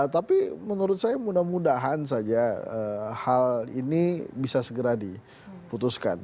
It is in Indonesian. tapi menurut saya mudah mudahan saja hal ini bisa segera diputuskan